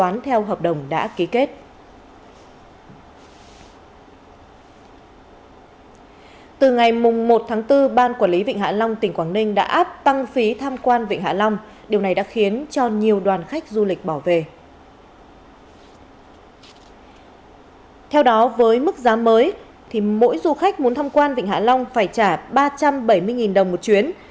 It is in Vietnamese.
mỗi du khách muốn tham quan vịnh hạ long phải trả ba trăm bảy mươi đồng một chuyến